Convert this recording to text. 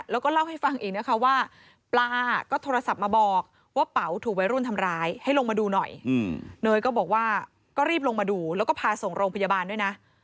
แล้วก็เล่าให้ฟังอีกนะคะว่าปลาก็โทรศัพท์มาบอกว่าเป๋าถูกวัยรุ่นทำร้ายให้ลงมาดูหน่อยเนยก็บอกว่าก็รีบลงมาดูแล้วก็พาส่งโรงพยาบาลด้วยนะ